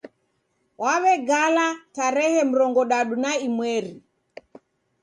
Waw'egala tarehe murongodadu na imweri